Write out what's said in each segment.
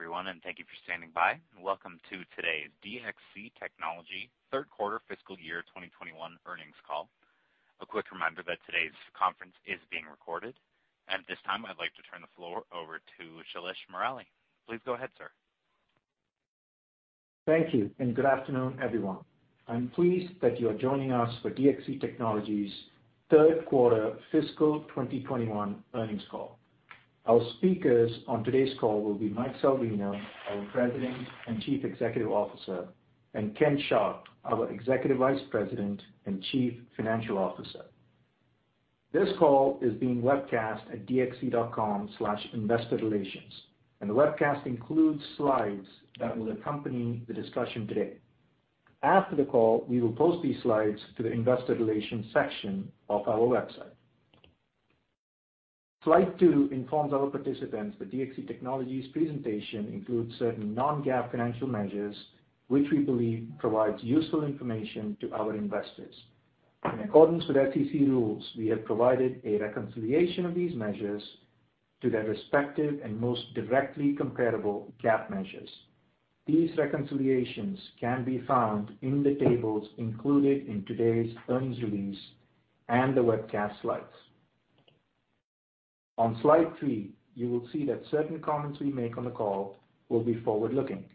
Today, everyone, and thank you for standing by. Welcome to today's DXC Technology third-quarter fiscal year 2021 earnings call. A quick reminder that today's conference is being recorded, and at this time, I'd like to turn the floor over to Shailesh Murali. Please go ahead, sir. Thank you, and good afternoon, everyone. I'm pleased that you are joining us for DXC Technology's third-quarter fiscal 2021 earnings call. Our speakers on today's call will be Mike Salvino, our President and Chief Executive Officer, and Ken Sharp, our Executive Vice President and Chief Financial Officer. This call is being webcast at dxc.com/investorrelations, and the webcast includes slides that will accompany the discussion today. After the call, we will post these slides to the Investor Relations section of our website. Slide two informs our participants that DXC Technology's presentation includes certain non-GAAP financial measures, which we believe provide useful information to our investors. In accordance with FTC rules, we have provided a reconciliation of these measures to their respective and most directly comparable GAAP measures. These reconciliations can be found in the tables included in today's earnings release and the webcast slides. On slide three, you will see that certain comments we make on the call will be forward-looking.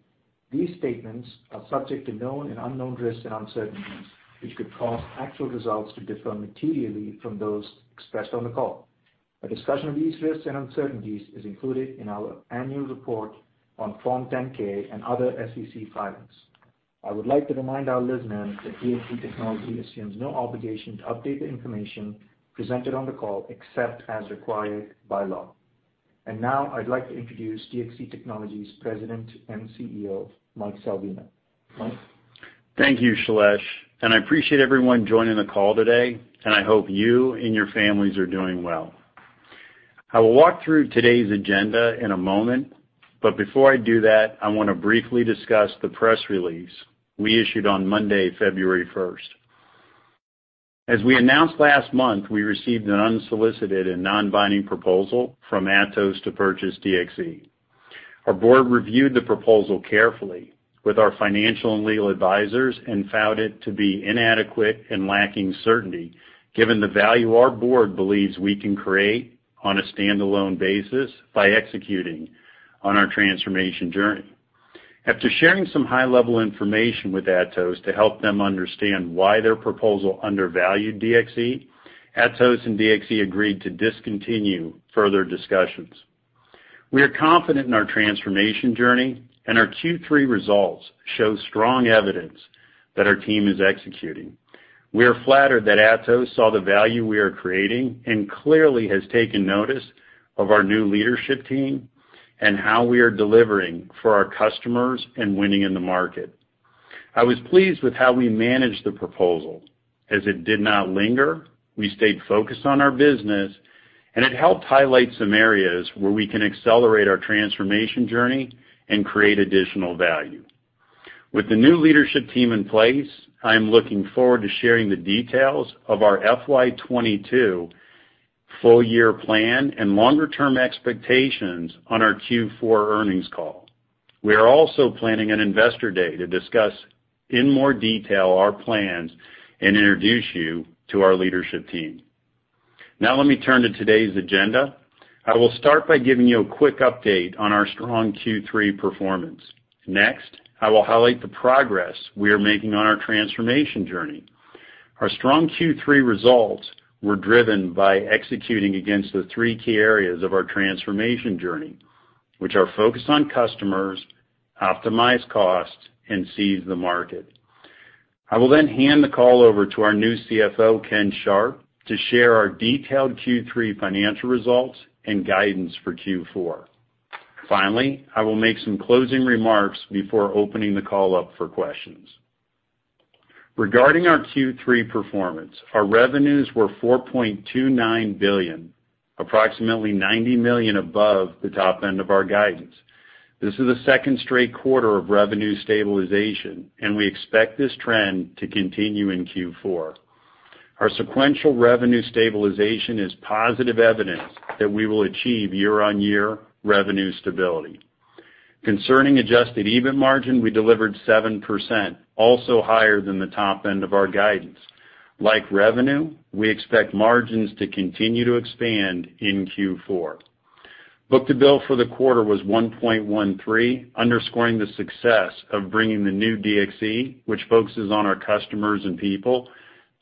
These statements are subject to known and unknown risks and uncertainties, which could cause actual results to differ materially from those expressed on the call. A discussion of these risks and uncertainties is included in our annual report on Form 10-K and other SEC filings. I would like to remind our listeners that DXC Technology assumes no obligation to update the information presented on the call except as required by law. And now, I'd like to introduce DXC Technology's President and CEO, Mike Salvino. Mike. Thank you, Shailesh, and I appreciate everyone joining the call today, and I hope you and your families are doing well. I will walk through today's agenda in a moment, but before I do that, I want to briefly discuss the press release we issued on Monday, February 1st. As we announced last month, we received an unsolicited and non-binding proposal from Atos to purchase DXC. Our board reviewed the proposal carefully with our financial and legal advisors and found it to be inadequate and lacking certainty given the value our board believes we can create on a standalone basis by executing on our transformation journey. After sharing some high-level information with Atos to help them understand why their proposal undervalued DXC, Atos and DXC agreed to discontinue further discussions. We are confident in our transformation journey, and our Q3 results show strong evidence that our team is executing. We are flattered that Atos saw the value we are creating and clearly has taken notice of our new leadership team and how we are delivering for our customers and winning in the market. I was pleased with how we managed the proposal, as it did not linger, we stayed focused on our business, and it helped highlight some areas where we can accelerate our transformation journey and create additional value. With the new leadership team in place, I am looking forward to sharing the details of our FY 2022 full-year plan and longer-term expectations on our Q4 earnings call. We are also planning an investor day to discuss in more detail our plans and introduce you to our leadership team. Now, let me turn to today's agenda. I will start by giving you a quick update on our strong Q3 performance. Next, I will highlight the progress we are making on our transformation journey. Our strong Q3 results were driven by executing against the three key areas of our transformation journey, which are focused on customers, optimized costs, and seize the market. I will then hand the call over to our new CFO, Ken Sharp, to share our detailed Q3 financial results and guidance for Q4. Finally, I will make some closing remarks before opening the call up for questions. Regarding our Q3 performance, our revenues were $4.29 billion, approximately $90 million above the top end of our guidance. This is the second straight quarter of revenue stabilization, and we expect this trend to continue in Q4. Our sequential revenue stabilization is positive evidence that we will achieve year-on-year revenue stability. Concerning Adjusted EBIT margin, we delivered 7%, also higher than the top end of our guidance. Like revenue, we expect margins to continue to expand in Q4. Book-to-bill for the quarter was 1.13, underscoring the success of bringing the new DXC, which focuses on our customers and people,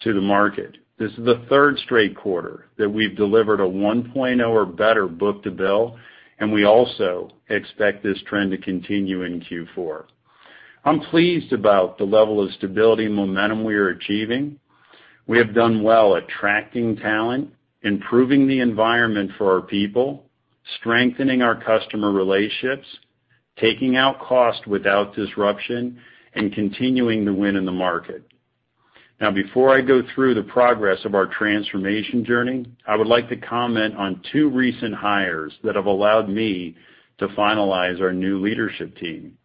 to the market. This is the third straight quarter that we've delivered a 1.0 or better book-to-bill, and we also expect this trend to continue in Q4. I'm pleased about the level of stability and momentum we are achieving. We have done well attracting talent, improving the environment for our people, strengthening our customer relationships, taking out costs without disruption, and continuing to win in the market. Now, before I go through the progress of our transformation journey, I would like to comment on two recent hires that have allowed me to finalize our new leadership team.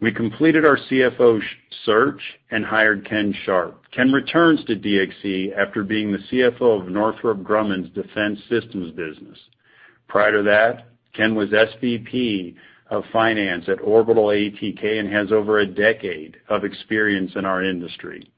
We completed our CFO search and hired Ken Sharp. Ken returns to DXC after being the CFO of Northrop Grumman's Defense Systems business. Prior to that, Ken was SVP of finance at Orbital ATK and has over a decade of experience in our industry.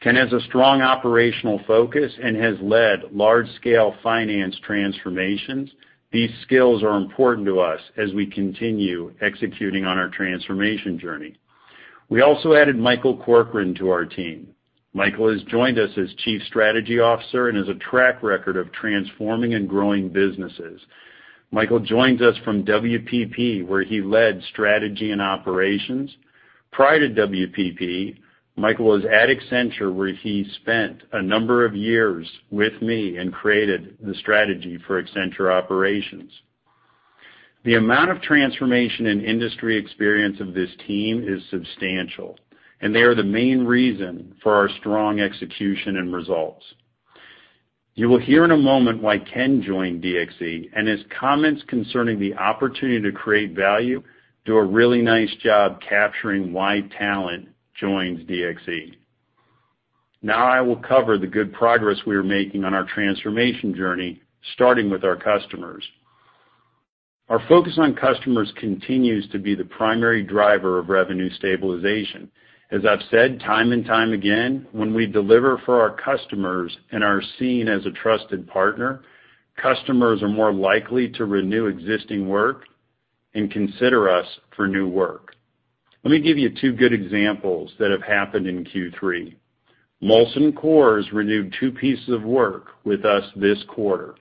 Ken has a strong operational focus and has led large-scale finance transformations. These skills are important to us as we continue executing on our transformation journey. We also added Michael Corcoran to our team. Michael has joined us as Chief Strategy Officer and has a track record of transforming and growing businesses. Michael joins us from WPP, where he led strategy and operations. Prior to WPP, Michael was at Accenture, where he spent a number of years with me and created the strategy for Accenture Operations. The amount of transformation and industry experience of this team is substantial, and they are the main reason for our strong execution and results. You will hear in a moment why Ken joined DXC, and his comments concerning the opportunity to create value do a really nice job capturing why talent joins DXC. Now, I will cover the good progress we are making on our transformation journey, starting with our customers. Our focus on customers continues to be the primary driver of revenue stabilization. As I've said time and time again, when we deliver for our customers and are seen as a trusted partner, customers are more likely to renew existing work and consider us for new work. Let me give you two good examples that have happened in Q3. Molson Coors has renewed two pieces of work with us this quarter.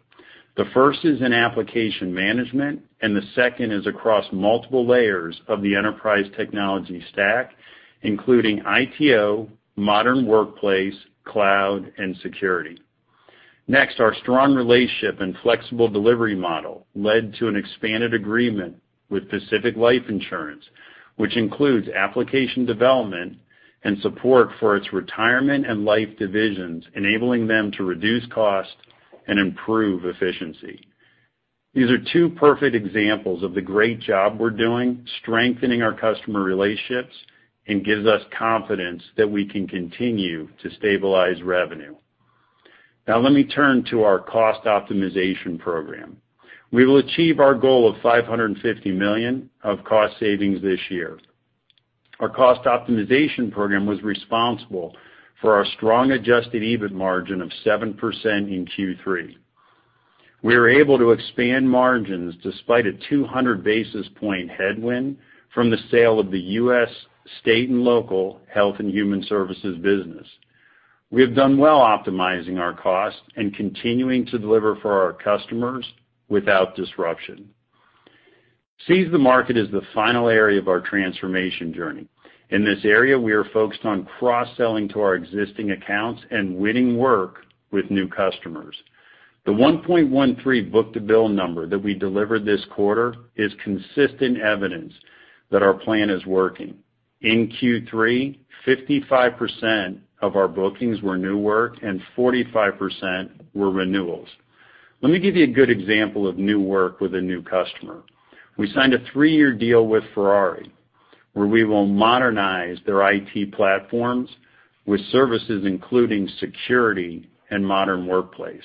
The first is in application management, and the second is across multiple layers of the enterprise technology stack, including ITO, modern workplace, cloud, and security. Next, our strong relationship and flexible delivery model led to an expanded agreement with Pacific Life Insurance, which includes application development and support for its retirement and life divisions, enabling them to reduce costs and improve efficiency. These are two perfect examples of the great job we're doing, strengthening our customer relationships, and gives us confidence that we can continue to stabilize revenue. Now, let me turn to our cost optimization program. We will achieve our goal of $550 million of cost savings this year. Our cost optimization program was responsible for our strong adjusted EBIT margin of 7% in Q3. We were able to expand margins despite a 200 basis point headwind from the sale of the U.S. state and local health and human services business. We have done well optimizing our costs and continuing to deliver for our customers without disruption. Seize the market is the final area of our transformation journey. In this area, we are focused on cross-selling to our existing accounts and winning work with new customers. The 1.13 book to bill number that we delivered this quarter is consistent evidence that our plan is working. In Q3, 55% of our bookings were new work, and 45% were renewals. Let me give you a good example of new work with a new customer. We signed a three-year deal with Ferrari, where we will modernize their IT platforms with services including security and modern workplace.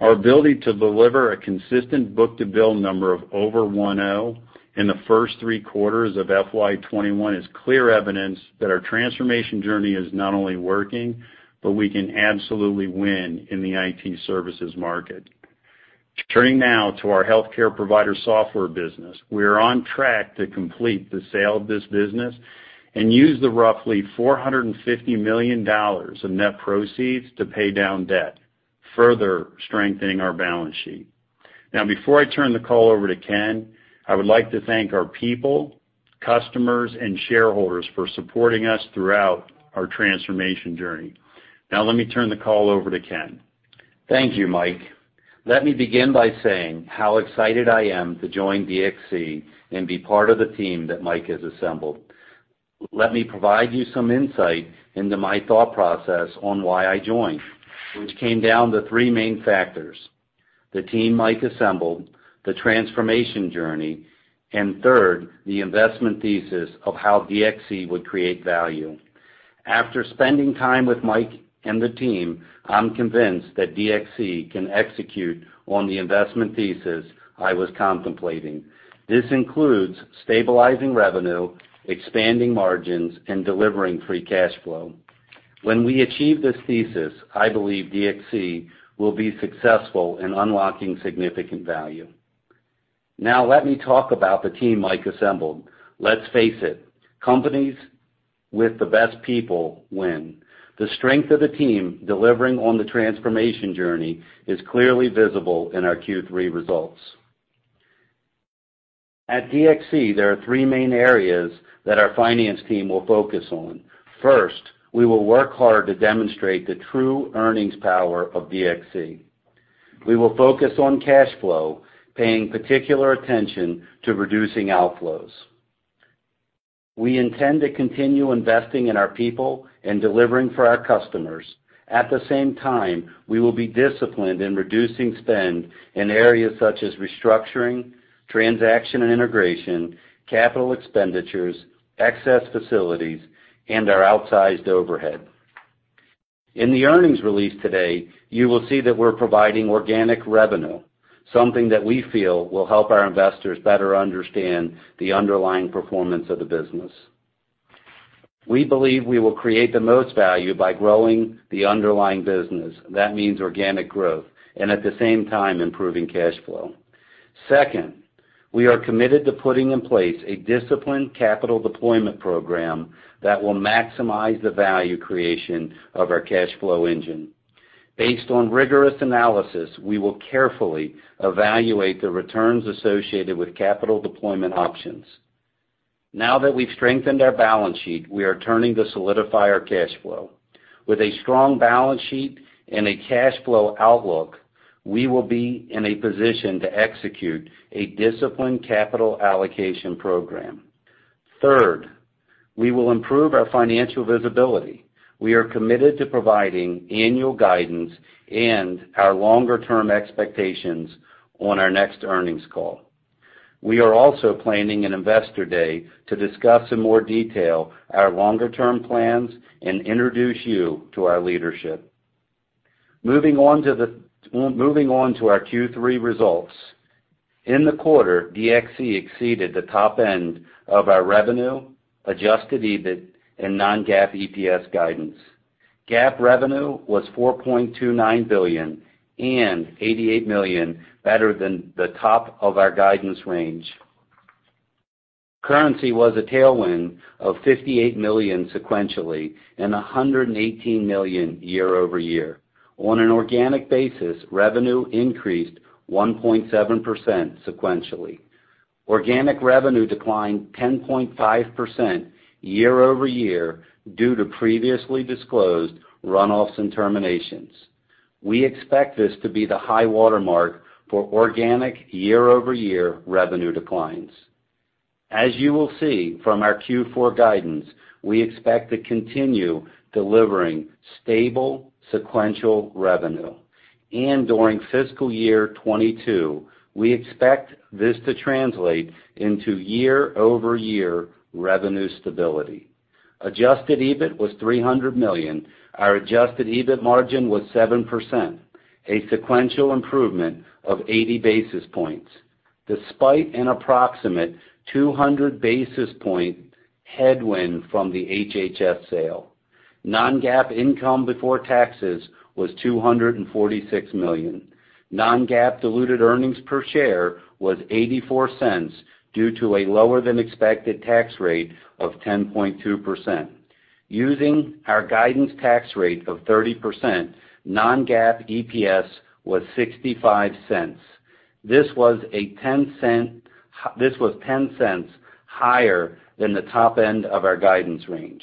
Our ability to deliver a consistent book to bill number of over 1.0 in the first three quarters of FY 2021 is clear evidence that our transformation journey is not only working, but we can absolutely win in the IT services market. Turning now to our healthcare provider software business, we are on track to complete the sale of this business and use the roughly $450 million of net proceeds to pay down debt, further strengthening our balance sheet. Now, before I turn the call over to Ken, I would like to thank our people, customers, and shareholders for supporting us throughout our transformation journey. Now, let me turn the call over to Ken. Thank you, Mike. Let me begin by saying how excited I am to join DXC and be part of the team that Mike has assembled. Let me provide you some insight into my thought process on why I joined, which came down to three main factors: the team Mike assembled, the transformation journey, and third, the investment thesis of how DXC would create value. After spending time with Mike and the team, I'm convinced that DXC can execute on the investment thesis I was contemplating. This includes stabilizing revenue, expanding margins, and delivering free cash flow. When we achieve this thesis, I believe DXC will be successful in unlocking significant value. Now, let me talk about the team Mike assembled. Let's face it, companies with the best people win. The strength of the team delivering on the transformation journey is clearly visible in our Q3 results. At DXC, there are three main areas that our finance team will focus on. First, we will work hard to demonstrate the true earnings power of DXC. We will focus on cash flow, paying particular attention to reducing outflows. We intend to continue investing in our people and delivering for our customers. At the same time, we will be disciplined in reducing spend in areas such as restructuring, transaction and integration, capital expenditures, excess facilities, and our outsized overhead. In the earnings release today, you will see that we're providing organic revenue, something that we feel will help our investors better understand the underlying performance of the business. We believe we will create the most value by growing the underlying business. That means organic growth and at the same time improving cash flow. Second, we are committed to putting in place a disciplined capital deployment program that will maximize the value creation of our cash flow engine. Based on rigorous analysis, we will carefully evaluate the returns associated with capital deployment options. Now that we've strengthened our balance sheet, we are turning to solidify our cash flow. With a strong balance sheet and a cash flow outlook, we will be in a position to execute a disciplined capital allocation program. Third, we will improve our financial visibility. We are committed to providing annual guidance and our longer-term expectations on our next earnings call. We are also planning an investor day to discuss in more detail our longer-term plans and introduce you to our leadership. Moving on to our Q3 results, in the quarter, DXC exceeded the top end of our revenue, Adjusted EBIT, and Non-GAAP EPS guidance. GAAP revenue was $4.29 billion and $88 million, better than the top of our guidance range. Currency was a tailwind of $58 million sequentially and $118 million year-over-year. On an organic basis, revenue increased 1.7% sequentially. Organic revenue declined 10.5% year-over-year due to previously disclosed runoffs and terminations. We expect this to be the high watermark for organic year-over-year revenue declines. As you will see from our Q4 guidance, we expect to continue delivering stable sequential revenue, and during fiscal year 2022, we expect this to translate into year-over-year revenue stability. Adjusted EBIT was $300 million. Our adjusted EBIT margin was 7%, a sequential improvement of 80 basis points, despite an approximate 200 basis point headwind from the HHS sale. Non-GAAP income before taxes was $246 million. Non-GAAP diluted earnings per share was $0.84 due to a lower-than-expected tax rate of 10.2%. Using our guidance tax rate of 30%, non-GAAP EPS was $0.65. This was $0.10 higher than the top end of our guidance range.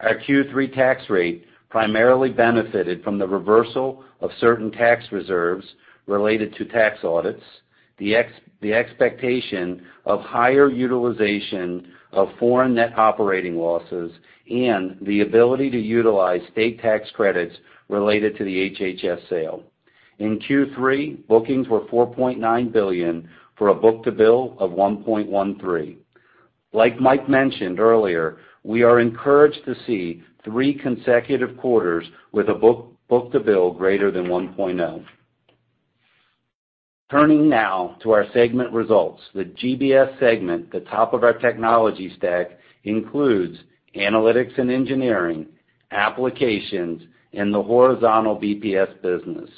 Our Q3 tax rate primarily benefited from the reversal of certain tax reserves related to tax audits, the expectation of higher utilization of foreign net operating losses, and the ability to utilize state tax credits related to the HHS sale. In Q3, bookings were $4.9 billion for a book to bill of 1.13. Like Mike mentioned earlier, we are encouraged to see three consecutive quarters with a book to bill greater than 1.0. Turning now to our segment results, the GBS segment, the top of our technology stack, includes analytics and engineering, applications, and the horizontal BPS business.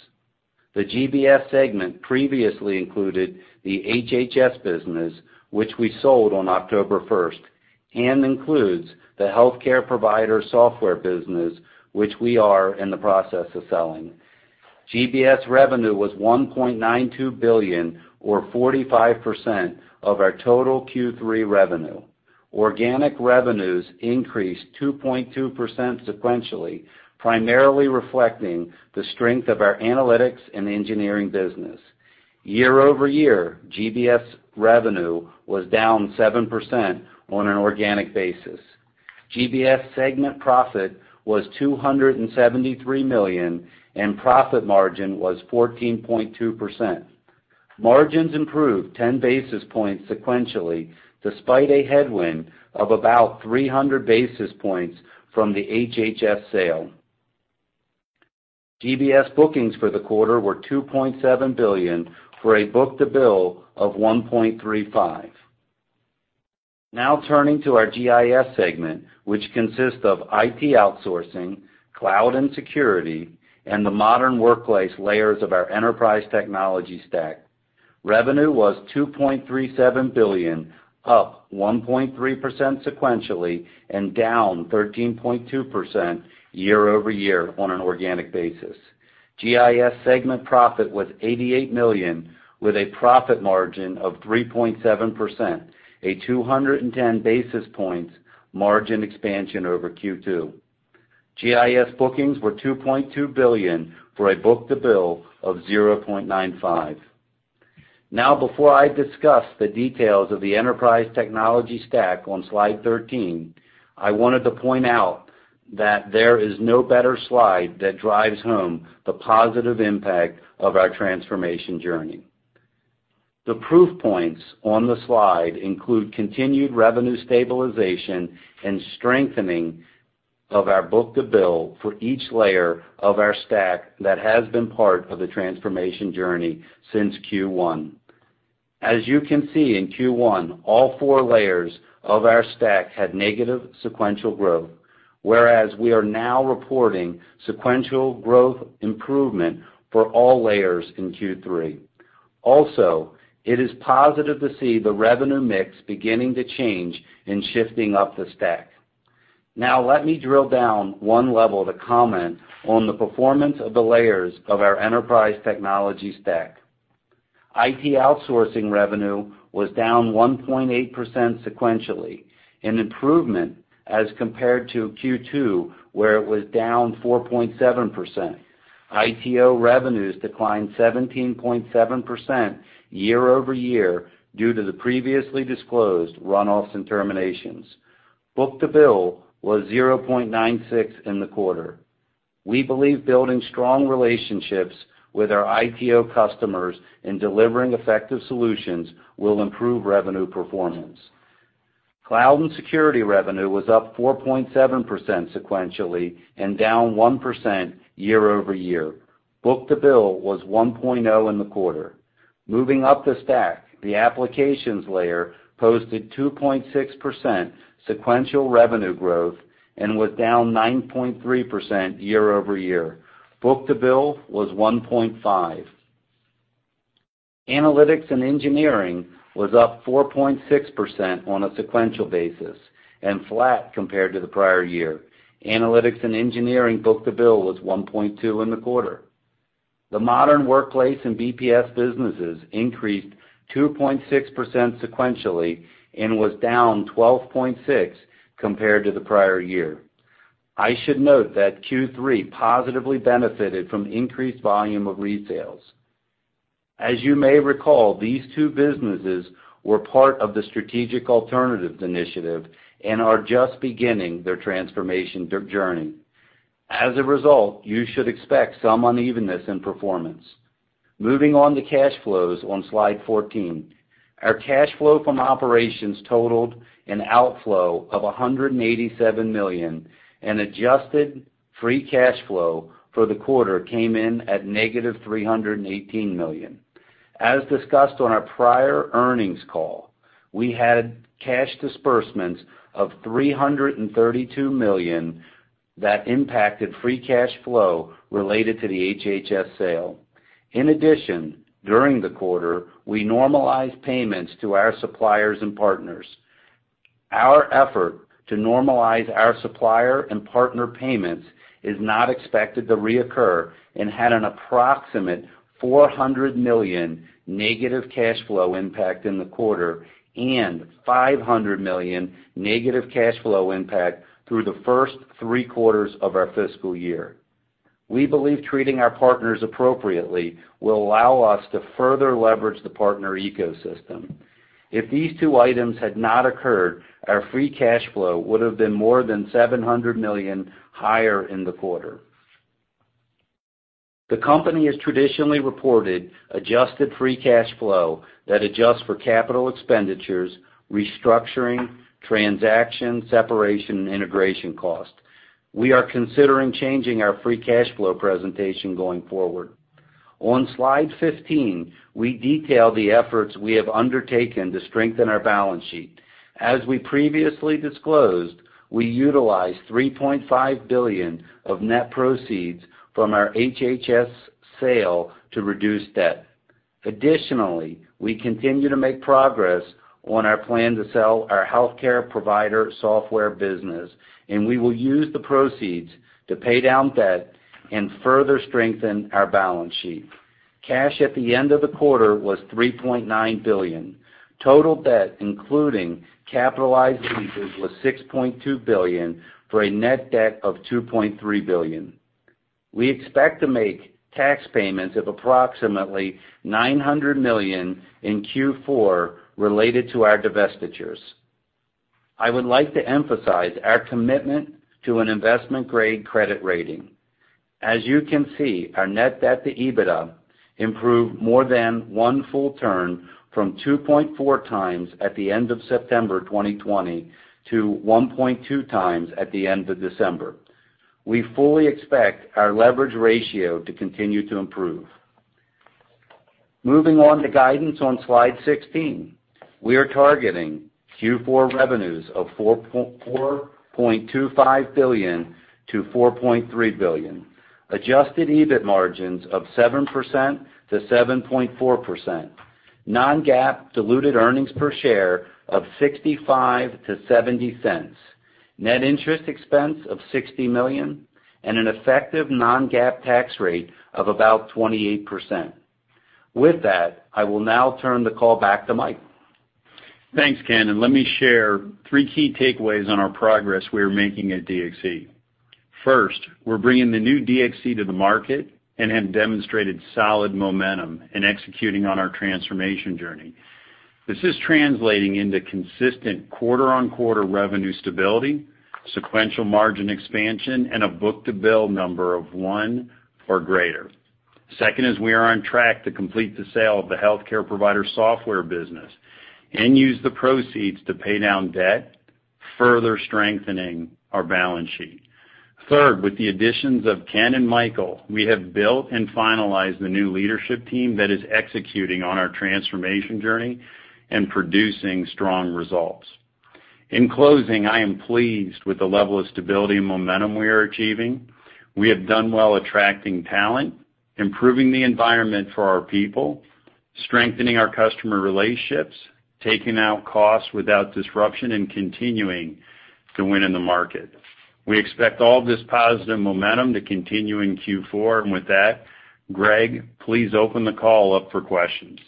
The GBS segment previously included the HHS business, which we sold on October 1st, and includes the healthcare provider software business, which we are in the process of selling. GBS revenue was $1.92 billion, or 45% of our total Q3 revenue. Organic revenues increased 2.2% sequentially, primarily reflecting the strength of our analytics and engineering business. Year-over-year, GBS revenue was down 7% on an organic basis. GBS segment profit was $273 million, and profit margin was 14.2%. Margins improved 10 basis points sequentially, despite a headwind of about 300 basis points from the HHS sale. GBS bookings for the quarter were $2.7 billion for a book-to-bill of 1.35. Now turning to our GIS segment, which consists of IT outsourcing, cloud and security, and the modern workplace layers of our enterprise technology stack, revenue was $2.37 billion, up 1.3% sequentially and down 13.2% year-over-year on an organic basis. GIS segment profit was $88 million, with a profit margin of 3.7%, a 210 basis points margin expansion over Q2. GIS bookings were $2.2 billion for a book to bill of 0.95. Now, before I discuss the details of the enterprise technology stack on slide 13, I wanted to point out that there is no better slide that drives home the positive impact of our transformation journey. The proof points on the slide include continued revenue stabilization and strengthening of our book to bill for each layer of our stack that has been part of the transformation journey since Q1. As you can see in Q1, all four layers of our stack had negative sequential growth, whereas we are now reporting sequential growth improvement for all layers in Q3. Also, it is positive to see the revenue mix beginning to change and shifting up the stack. Now, let me drill down one level to comment on the performance of the layers of our enterprise technology stack. IT outsourcing revenue was down 1.8% sequentially, an improvement as compared to Q2, where it was down 4.7%. ITO revenues declined 17.7% year-over-year due to the previously disclosed runoffs and terminations. Book to bill was 0.96 in the quarter. We believe building strong relationships with our ITO customers and delivering effective solutions will improve revenue performance. Cloud and security revenue was up 4.7% sequentially and down 1% year-over-year. Book to bill was 1.0 in the quarter. Moving up the stack, the applications layer posted 2.6% sequential revenue growth and was down 9.3% year-over-year. Book to bill was 1.5. Analytics and engineering was up 4.6% on a sequential basis and flat compared to the prior year. Analytics and engineering book to bill was 1.2 in the quarter. The Modern Workplace and BPS businesses increased 2.6% sequentially and was down 12.6% compared to the prior year. I should note that Q3 positively benefited from increased volume of resales. As you may recall, these two businesses were part of the Strategic Alternatives Initiative and are just beginning their transformation journey. As a result, you should expect some unevenness in performance. Moving on to cash flows on slide 14, our cash flow from operations totaled an outflow of $187 million, and adjusted free cash flow for the quarter came in at -$318 million. As discussed on our prior earnings call, we had cash disbursements of $332 million that impacted free cash flow related to the HHS sale. In addition, during the quarter, we normalized payments to our suppliers and partners. Our effort to normalize our supplier and partner payments is not expected to reoccur and had an approximate $400 million negative cash flow impact in the quarter and $500 million negative cash flow impact through the first three quarters of our fiscal year. We believe treating our partners appropriately will allow us to further leverage the partner ecosystem. If these two items had not occurred, our free cash flow would have been more than $700 million higher in the quarter. The company has traditionally reported adjusted free cash flow that adjusts for capital expenditures, restructuring, transaction separation, and integration cost. We are considering changing our free cash flow presentation going forward. On slide 15, we detail the efforts we have undertaken to strengthen our balance sheet. As we previously disclosed, we utilized $3.5 billion of net proceeds from our HHS sale to reduce debt. Additionally, we continue to make progress on our plan to sell our healthcare provider software business, and we will use the proceeds to pay down debt and further strengthen our balance sheet. Cash at the end of the quarter was $3.9 billion. Total debt, including capitalized leases, was $6.2 billion for a net debt of $2.3 billion. We expect to make tax payments of approximately $900 million in Q4 related to our divestitures. I would like to emphasize our commitment to an investment-grade credit rating. As you can see, our net debt to EBITDA improved more than one full turn from 2.4x at the end of September 2020 to 1.2x at the end of December. We fully expect our leverage ratio to continue to improve. Moving on to guidance on slide 16, we are targeting Q4 revenues of $4.25 billion-$4.3 billion, adjusted EBIT margins of 7%-7.4%, non-GAAP diluted earnings per share of $0.65-$0.70, net interest expense of $60 million, and an effective non-GAAP tax rate of about 28%. With that, I will now turn the call back to Mike. Thanks, Ken. And let me share three key takeaways on our progress we are making at DXC. First, we're bringing the new DXC to the market and have demonstrated solid momentum in executing on our transformation journey. This is translating into consistent quarter-on-quarter revenue stability, sequential margin expansion, and a book-to-bill number of one or greater. Second, as we are on track to complete the sale of the healthcare provider software business and use the proceeds to pay down debt, further strengthening our balance sheet. Third, with the additions of Ken and Michael, we have built and finalized the new leadership team that is executing on our transformation journey and producing strong results. In closing, I am pleased with the level of stability and momentum we are achieving. We have done well attracting talent, improving the environment for our people, strengthening our customer relationships, taking out costs without disruption, and continuing to win in the market. We expect all of this positive momentum to continue in Q4. And with that, Greg, please open the call up for questions.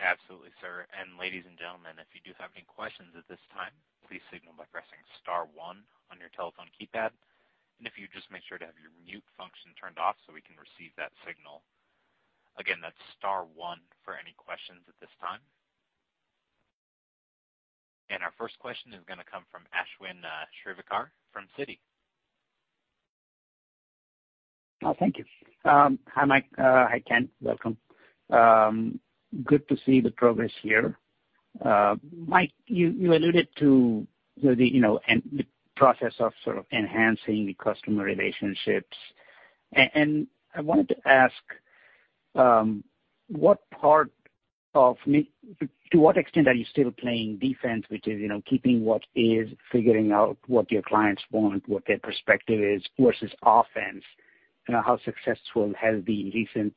Absolutely, sir. And ladies and gentlemen, if you do have any questions at this time, please signal by pressing star one on your telephone keypad. And if you just make sure to have your mute function turned off so we can receive that signal. Again, that's star one for any questions at this time. And our first question is going to come from Ashwin Shirvaikar from Citi. Thank you. Hi, Mike. Hi, Ken. Welcome. Good to see the progress here. Mike, you alluded to the process of sort of enhancing the customer relationships. And I wanted to ask, what part of to what extent are you still playing defense, which is keeping what is, figuring out what your clients want, what their perspective is, versus offense? How successful has the recent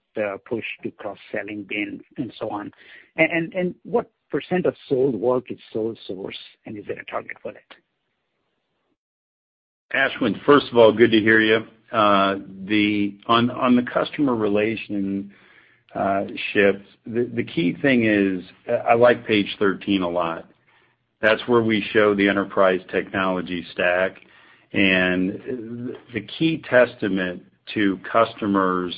push to cross-selling been and so on? And what percentage of sold work is sold source, and is there a target for that? Ashwin, first of all, good to hear you. On the customer relationships, the key thing is I like page 13 a lot. That's where we show the enterprise technology stack. And the key testament to customers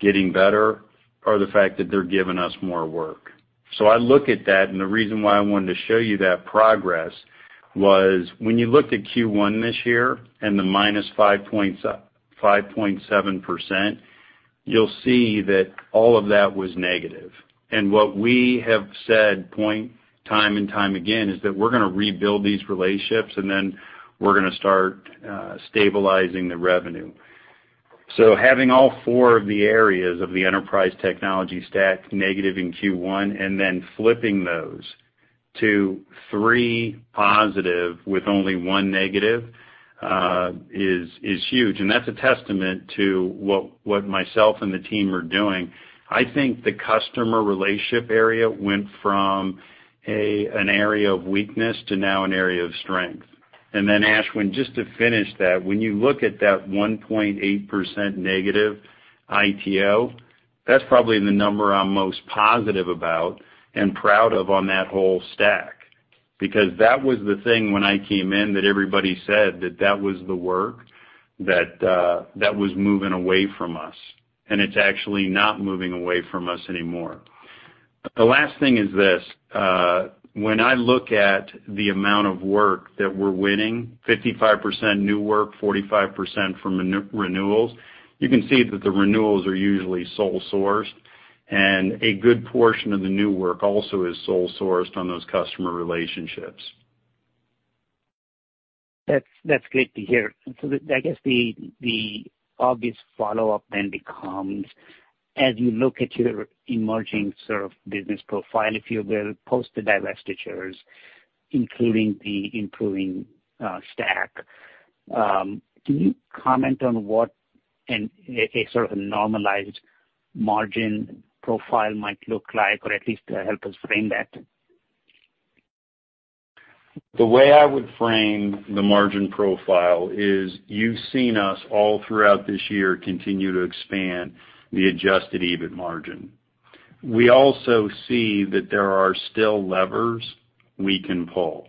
getting better is the fact that they're giving us more work. I look at that, and the reason why I wanted to show you that progress was when you looked at Q1 this year and the -5.7%, you'll see that all of that was negative. And what we have said time and time again is that we're going to rebuild these relationships, and then we're going to start stabilizing the revenue. So having all four of the areas of the Enterprise Technology Stack negative in Q1 and then flipping those to three positive with only one negative is huge. And that's a testament to what myself and the team are doing. I think the customer relationship area went from an area of weakness to now an area of strength. And then, Ashwin, just to finish that, when you look at that -1.8% ITO, that's probably the number I'm most positive about and proud of on that whole stack. Because that was the thing when I came in that everybody said that that was the work that was moving away from us. And it's actually not moving away from us anymore. The last thing is this: when I look at the amount of work that we're winning, 55% new work, 45% from renewals, you can see that the renewals are usually sole sourced. And a good portion of the new work also is sole sourced on those customer relationships. That's great to hear. So I guess the obvious follow-up then becomes, as you look at your emerging sort of business profile, if you will, post the divestitures, including the improving stack, can you comment on what a sort of normalized margin profile might look like, or at least help us frame that? The way I would frame the margin profile is you've seen us all throughout this year continue to expand the Adjusted EBIT margin. We also see that there are still levers we can pull.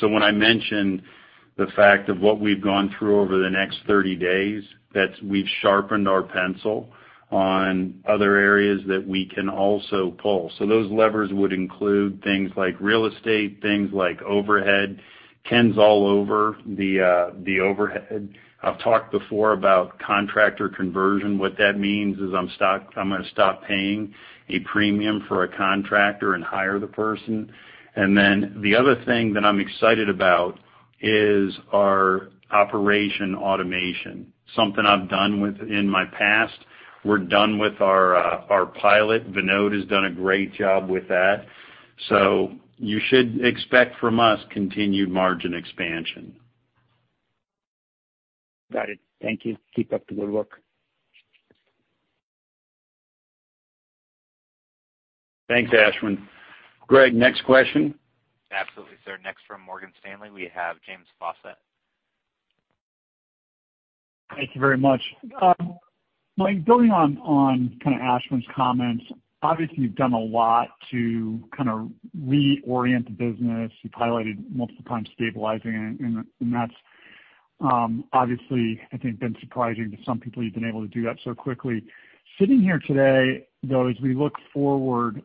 So when I mention the fact of what we've gone through over the next 30 days, that we've sharpened our pencil on other areas that we can also pull. So those levers would include things like real estate, things like overhead. Ken's all over the overhead. I've talked before about contractor conversion. What that means is I'm going to stop paying a premium for a contractor and hire the person. And then the other thing that I'm excited about is our operational automation, something I've done within my past. We're done with our pilot. Vinod has done a great job with that. So you should expect from us continued margin expansion. Got it. Thank you. Keep up the good work. Thanks, Ashwin. Greg, next question? Absolutely, sir. Next from Morgan Stanley. We have James Faucette. Thank you very much. Mike, building on kind of Ashwin's comments, obviously, you've done a lot to kind of reorient the business. You've highlighted multiple times stabilizing, and that's obviously, I think, been surprising to some people. You've been able to do that so quickly. Sitting here today, though, as we look forward,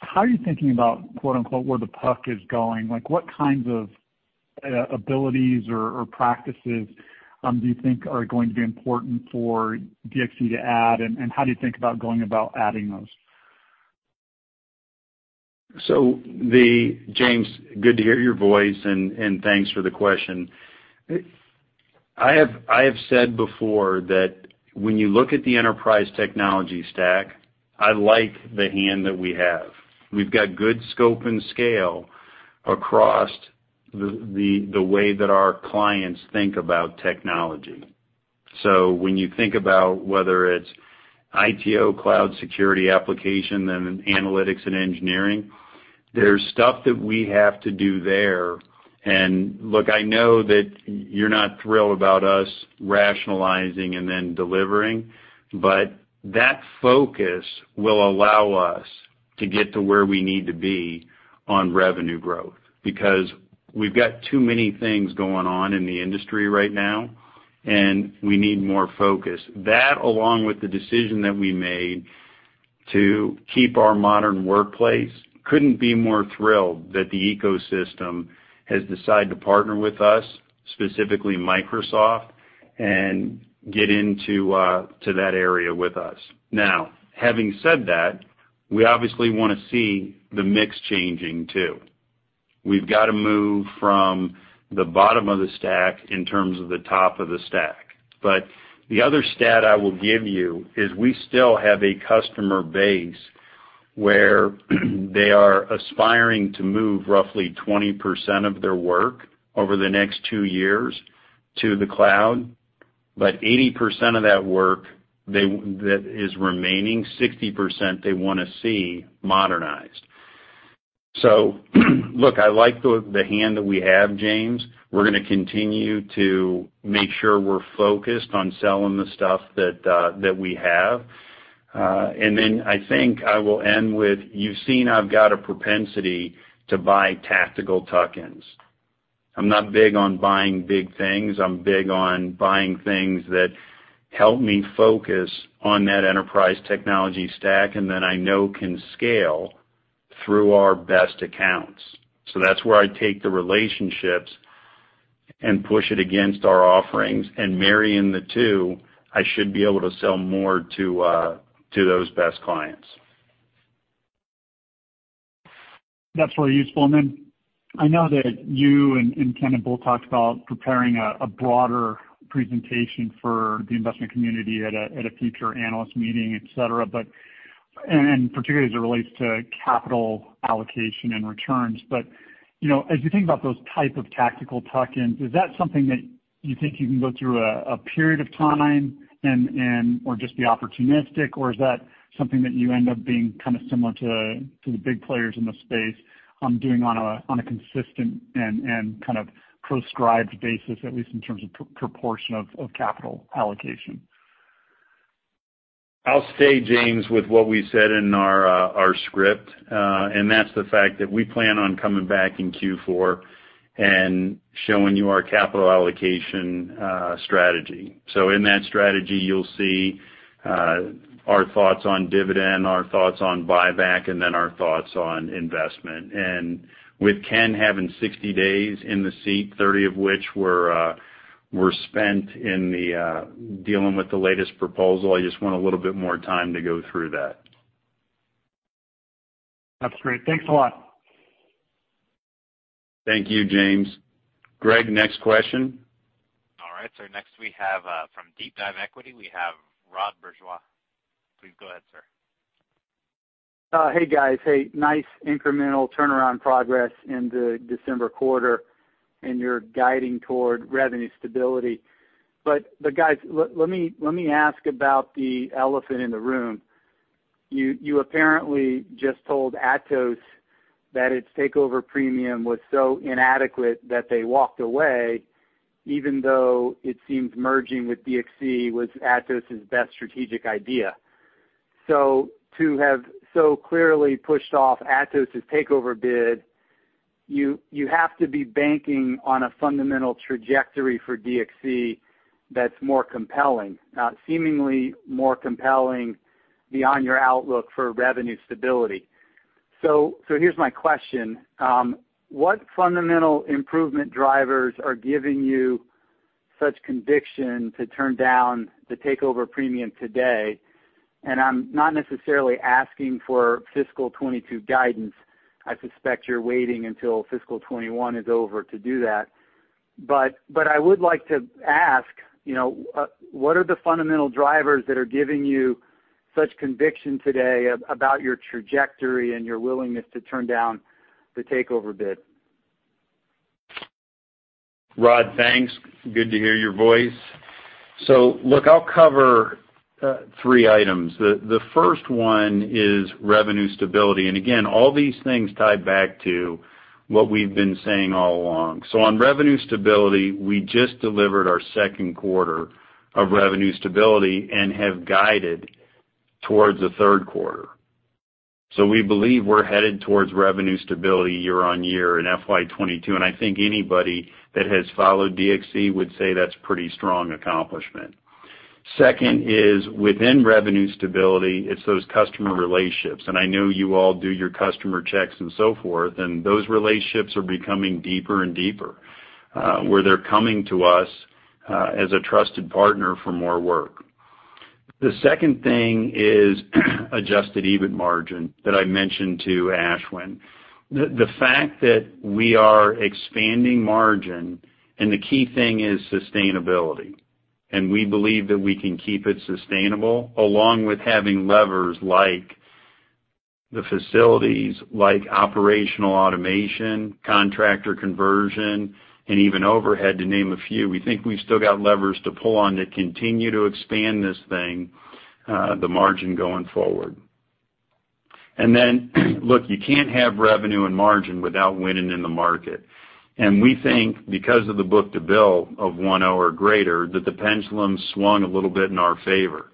how are you thinking about, quote unquote, "where the puck is going"? What kinds of abilities or practices do you think are going to be important for DXC to add, and how do you think about going about adding those? So, James, good to hear your voice, and thanks for the question. I have said before that when you look at the enterprise technology stack, I like the hand that we have. We've got good scope and scale across the way that our clients think about technology. So when you think about whether it's ITO, Cloud and Security, Applications, then Analytics and Engineering, there's stuff that we have to do there. And look, I know that you're not thrilled about us rationalizing and then delivering, but that focus will allow us to get to where we need to be on revenue growth because we've got too many things going on in the industry right now, and we need more focus. That, along with the decision that we made to keep our Modern Workplace, couldn't be more thrilled that the ecosystem has decided to partner with us, specifically Microsoft, and get into that area with us. Now, having said that, we obviously want to see the mix changing too. We've got to move from the bottom of the stack in terms of the top of the stack. But the other stat I will give you is we still have a customer base where they are aspiring to move roughly 20% of their work over the next two years to the cloud, but 80% of that work that is remaining, 60% they want to see modernized. So look, I like the hand that we have, James. We're going to continue to make sure we're focused on selling the stuff that we have. And then I think I will end with, you've seen I've got a propensity to buy tactical tuck-ins. I'm not big on buying big things. I'm big on buying things that help me focus on that Enterprise Technology Stack and that I know can scale through our best accounts. So that's where I take the relationships and push it against our offerings. And marrying the two, I should be able to sell more to those best clients. That's very useful. And then I know that you and Ken and Bill talked about preparing a broader presentation for the investment community at a future analyst meeting, etc., and particularly as it relates to capital allocation and returns. But as you think about those type of tactical tuck-ins, is that something that you think you can go through a period of time or just be opportunistic, or is that something that you end up being kind of similar to the big players in the space doing on a consistent and kind of prescribed basis, at least in terms of proportion of capital allocation? I'll stay, James, with what we said in our script, and that's the fact that we plan on coming back in Q4 and showing you our capital allocation strategy, so in that strategy, you'll see our thoughts on dividend, our thoughts on buyback, and then our thoughts on investment, and with Ken having 60 days in the seat, 30 of which were spent in dealing with the latest proposal, I just want a little bit more time to go through that. That's great. Thanks a lot. Thank you, James. Greg, next question. All right, sir. Next, we have from DeepDive Equity, we have Rod Bourgeois. Please go ahead, sir. Hey, guys. Hey, nice incremental turnaround progress in the December quarter, and you're guiding toward revenue stability, but guys, let me ask about the elephant in the room. You apparently just told Atos that its takeover premium was so inadequate that they walked away, even though it seems merging with DXC was Atos's best strategic idea. So to have so clearly pushed off Atos's takeover bid, you have to be banking on a fundamental trajectory for DXC that's more compelling, seemingly more compelling beyond your outlook for revenue stability. So here's my question. What fundamental improvement drivers are giving you such conviction to turn down the takeover premium today? And I'm not necessarily asking for fiscal 2022 guidance. I suspect you're waiting until fiscal 2021 is over to do that. But I would like to ask, what are the fundamental drivers that are giving you such conviction today about your trajectory and your willingness to turn down the takeover bid? Rod, thanks. Good to hear your voice. So look, I'll cover three items. The first one is revenue stability. And again, all these things tie back to what we've been saying all along. So on revenue stability, we just delivered our second quarter of revenue stability and have guided towards the third quarter. So we believe we're headed towards revenue stability year on year in FY 2022. And I think anybody that has followed DXC would say that's a pretty strong accomplishment. Second is, within revenue stability, it's those customer relationships. And I know you all do your customer checks and so forth, and those relationships are becoming deeper and deeper, where they're coming to us as a trusted partner for more work. The second thing is adjusted EBIT margin that I mentioned to Ashwin. The fact that we are expanding margin, and the key thing is sustainability. We believe that we can keep it sustainable, along with having levers like the facilities, like operational automation, contractor conversion, and even overhead to name a few. We think we've still got levers to pull on to continue to expand this thing, the margin going forward. And then, look, you can't have revenue and margin without winning in the market. And we think, because of the book-to-bill of 1.0 or greater, that the pendulum swung a little bit in our favor.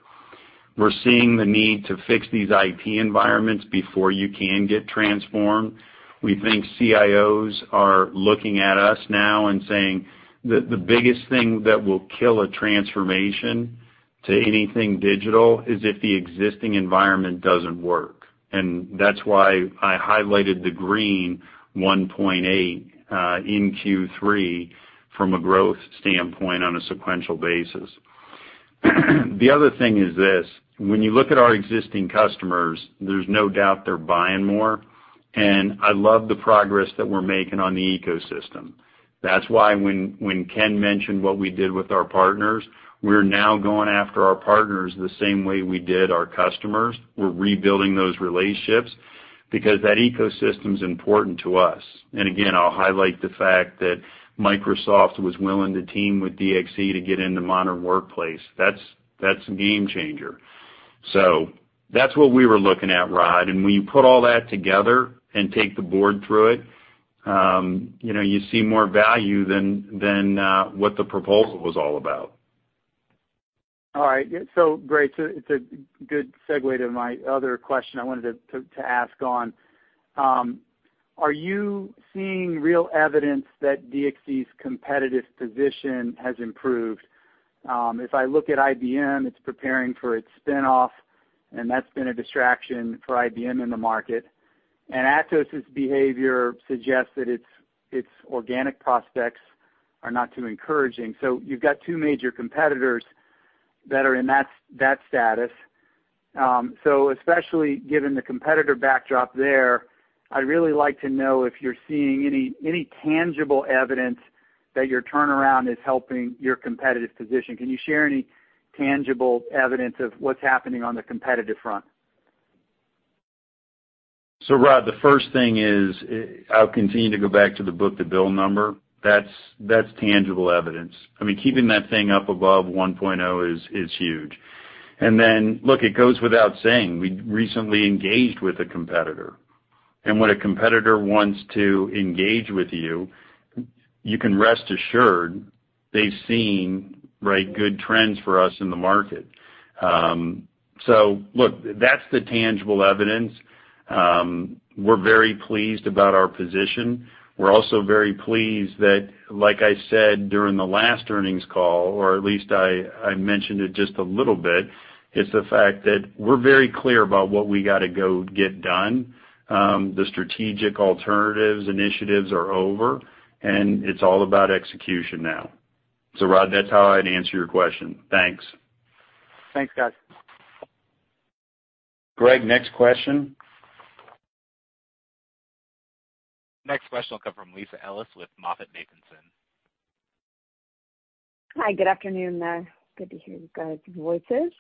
We're seeing the need to fix these IT environments before you can get transformed. We think CIOs are looking at us now and saying that the biggest thing that will kill a transformation to anything digital is if the existing environment doesn't work. And that's why I highlighted the green 1.8 in Q3 from a growth standpoint on a sequential basis. The other thing is this: when you look at our existing customers, there's no doubt they're buying more. And I love the progress that we're making on the ecosystem. That's why when Ken mentioned what we did with our partners, we're now going after our partners the same way we did our customers. We're rebuilding those relationships because that ecosystem is important to us. And again, I'll highlight the fact that Microsoft was willing to team with DXC to get into modern workplace. That's a game changer. So that's what we were looking at, Rod. And when you put all that together and take the board through it, you see more value than what the proposal was all about. All right. So great. It's a good segue to my other question I wanted to ask on. Are you seeing real evidence that DXC's competitive position has improved? If I look at IBM, it's preparing for its spinoff, and that's been a distraction for IBM in the market, and Atos's behavior suggests that its organic prospects are not too encouraging, so you've got two major competitors that are in that status, so especially given the competitor backdrop there, I'd really like to know if you're seeing any tangible evidence that your turnaround is helping your competitive position. Can you share any tangible evidence of what's happening on the competitive front? So Rod, the first thing is I'll continue to go back to the book-to-bill number. That's tangible evidence. I mean, keeping that thing up above 1.0 is huge, and then, look, it goes without saying, we recently engaged with a competitor, and when a competitor wants to engage with you, you can rest assured they've seen good trends for us in the market. So look, that's the tangible evidence. We're very pleased about our position. We're also very pleased that, like I said during the last earnings call, or at least I mentioned it just a little bit, it's the fact that we're very clear about what we got to go get done. The strategic alternatives initiatives are over, and it's all about execution now. So Rod, that's how I'd answer your question. Thanks. Thanks, guys. Greg, next question. Next question will come from Lisa Ellis with MoffettNathanson. Hi, good afternoon. Good to hear you guys' voices.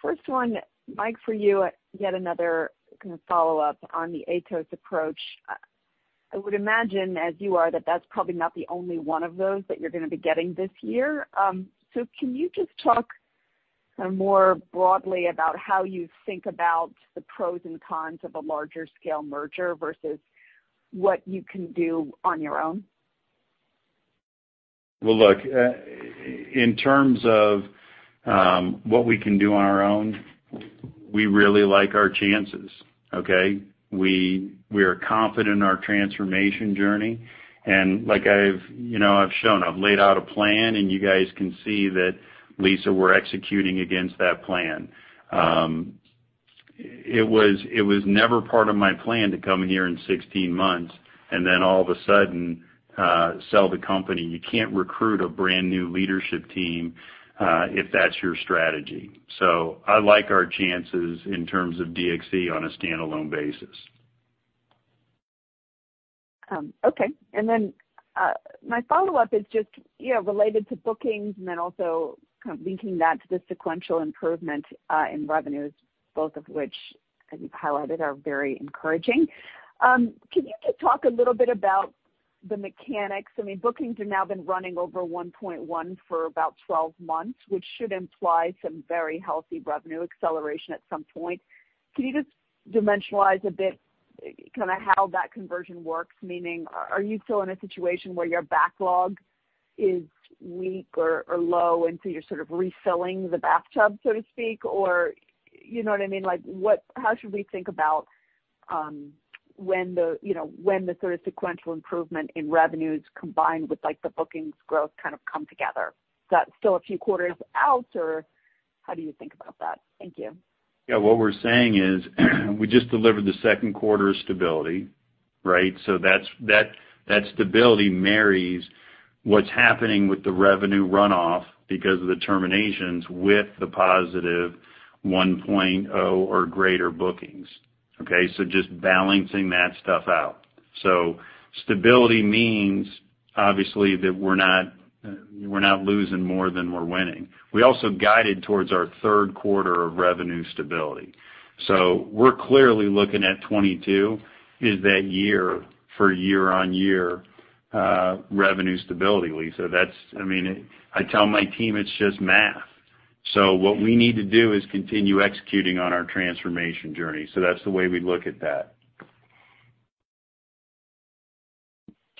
First one, Mike for you, yet another kind of follow-up on the Atos approach. I would imagine, as you are, that that's probably not the only one of those that you're going to be getting this year. So can you just talk more broadly about how you think about the pros and cons of a larger scale merger versus what you can do on our own? Well, look, in terms of what we can do on our own, we really like our chances, okay? We are confident in our transformation journey. And like I've shown, I've laid out a plan, and you guys can see that, Lisa, we're executing against that plan. It was never part of my plan to come here in 16 months and then all of a sudden sell the company. You can't recruit a brand new leadership team if that's your strategy. So I like our chances in terms of DXC on a standalone basis. Okay. And then my follow-up is just related to bookings and then also kind of linking that to the sequential improvement in revenues, both of which, as you've highlighted, are very encouraging. Can you just talk a little bit about the mechanics? I mean, bookings have now been running over 1.1 for about 12 months, which should imply some very healthy revenue acceleration at some point. Can you just dimensionalize a bit kind of how that conversion works? Meaning, are you still in a situation where your backlog is weak or low and so you're sort of refilling the bathtub, so to speak? Or you know what I mean? How should we think about when the sort of sequential improvement in revenues combined with the bookings growth kind of come together? Is that still a few quarters out, or how do you think about that? Thank you. Yeah. What we're saying is we just delivered the second quarter stability, right? So that stability marries what's happening with the revenue runoff because of the terminations with the positive 1.0 or greater bookings, okay? So just balancing that stuff out. So stability means, obviously, that we're not losing more than we're winning. We also guided towards our third quarter of revenue stability. So we're clearly looking at 2022 as that year-over-year revenue stability, Lisa. I mean, I tell my team it's just math. So what we need to do is continue executing on our transformation journey. So that's the way we look at that.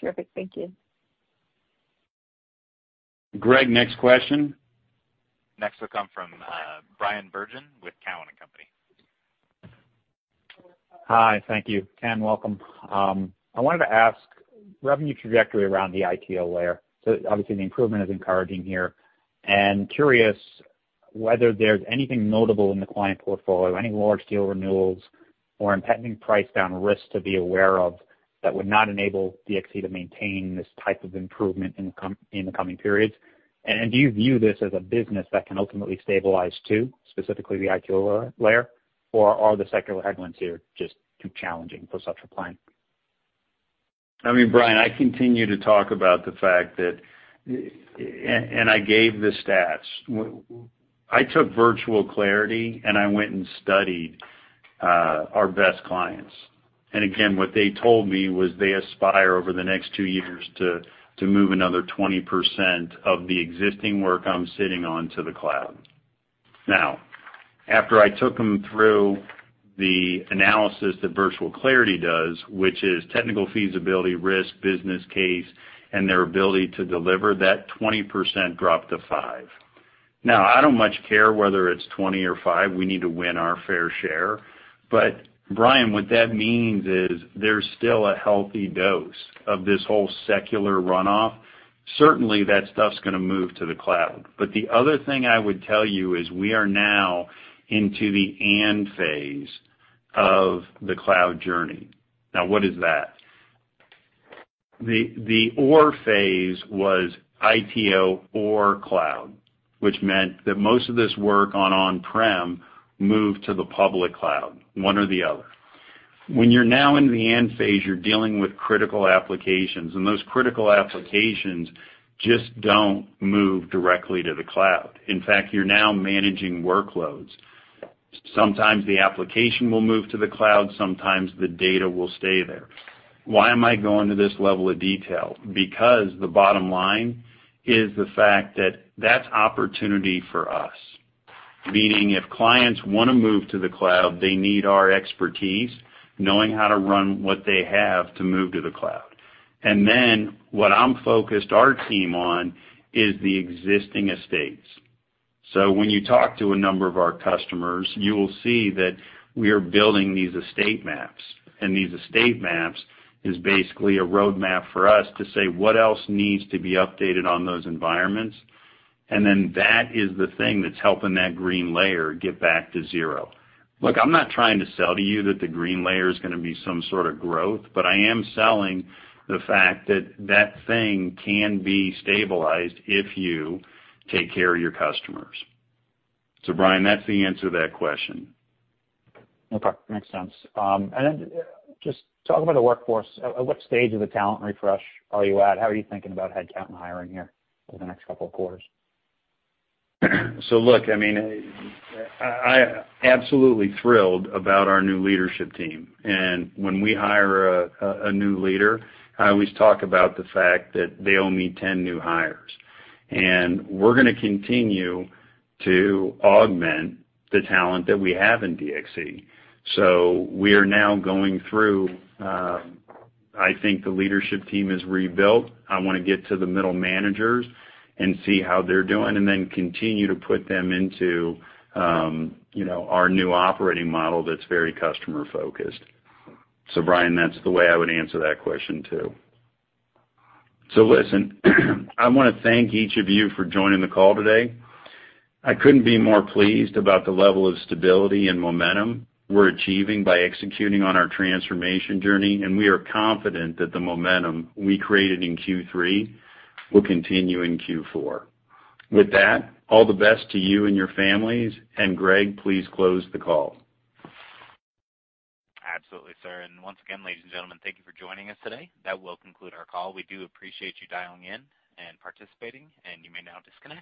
Terrific. Thank you. Greg, next question. Next will come from Bryan Bergin with Cowen and Company. Hi. Thank you. Ken, welcome. I wanted to ask revenue trajectory around the ITO layer. So obviously, the improvement is encouraging here. Curious whether there's anything notable in the client portfolio, any large deal renewals or impending price down risks to be aware of that would not enable DXC to maintain this type of improvement in the coming periods. Do you view this as a business that can ultimately stabilize too, specifically the ITO layer, or are the sector headwinds here just too challenging for such a plan? I mean, Brian, I continue to talk about the fact that, and I gave the stats. I took Virtual Clarity, and I went and studied our best clients. And again, what they told me was they aspire over the next two years to move another 20% of the existing work I'm sitting on to the cloud. Now, after I took them through the analysis that Virtual Clarity does, which is technical feasibility, risk, business case, and their ability to deliver that 20% drop to 5%. Now, I don't much care whether it's 20% or 5%. We need to win our fair share. But Bryan, what that means is there's still a healthy dose of this whole secular runoff. Certainly, that stuff's going to move to the cloud. But the other thing I would tell you is we are now into the end phase of the cloud journey. Now, what is that? The core phase was ITO or cloud, which meant that most of this work on on-prem moved to the public cloud, one or the other. When you're now in the end phase, you're dealing with critical applications. And those critical applications just don't move directly to the cloud. In fact, you're now managing workloads. Sometimes the application will move to the cloud. Sometimes the data will stay there. Why am I going to this level of detail? Because the bottom line is the fact that that's opportunity for us. Meaning, if clients want to move to the cloud, they need our expertise, knowing how to run what they have to move to the cloud, and then what I'm focused our team on is the existing estates, so when you talk to a number of our customers, you will see that we are building these estate maps, and these estate maps is basically a roadmap for us to say, "What else needs to be updated on those environments?" And then that is the thing that's helping that green layer get back to zero. Look, I'm not trying to sell to you that the green layer is going to be some sort of growth, but I am selling the fact that that thing can be stabilized if you take care of your customers. So Bryan, that's the answer to that question. Okay. Makes sense. And then just talk about the workforce. At what stage of the talent refresh are you at? How are you thinking about headcount and hiring here over the next couple of quarters? So look, I mean, I'm absolutely thrilled about our new leadership team. And when we hire a new leader, I always talk about the fact that they only need 10 new hires. And we're going to continue to augment the talent that we have in DXC. So we are now going through, I think the leadership team is rebuilt. I want to get to the middle managers and see how they're doing and then continue to put them into our new operating model that's very customer-focused. So Bryan, that's the way I would answer that question too. So listen, I want to thank each of you for joining the call today. I couldn't be more pleased about the level of stability and momentum we're achieving by executing on our transformation journey. We are confident that the momentum we created in Q3 will continue in Q4. With that, all the best to you and your families. Greg, please close the call. Absolutely, sir. Once again, ladies and gentlemen, thank you for joining us today. That will conclude our call. We do appreciate you dialing in and participating. You may now disconnect.